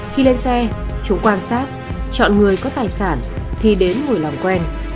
khi lên xe chúng quan sát chọn người có tài sản thì đến người làm quen